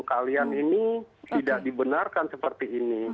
kalian ini tidak dibenarkan seperti ini